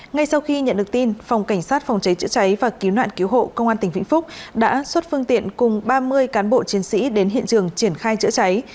ngay sau khi nhận được tin phòng cảnh sát phòng cháy chữa cháy và cứu nạn cứu hộ công an tỉnh vĩnh phúc đã xuất phương tiện cùng ba mươi cán bộ chiến sĩ đến hiện trường triển khai chữa cháy